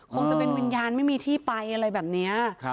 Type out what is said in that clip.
คงจะเป็นวิญญาณไม่มีที่ไปอะไรแบบนี้